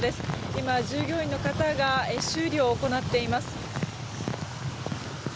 今、従業員の方が修理を行っています。